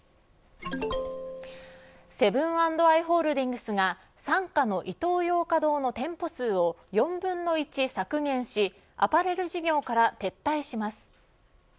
セブン＆アイ・ホールディングスが傘下のイトーヨーカ堂の店舗数を４分の１削減しアパレル事業から撤退します。